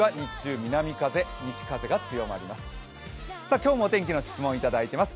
今日もお天気の質問いただいています。